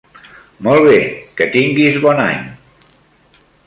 Molt bé, que tinguis bon any!